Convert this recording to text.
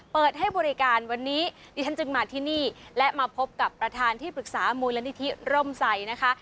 เปิดให้บริการวันนี้ดิฉันจึงมาที่นี่และมาพบกับประธานที่ปรึกษามูลนิธิร่มใสนะคะ